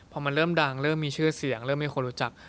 พอมันเริ่มดังเริ่มมีชื่อเสียงเริ่มมีคนรู้จัก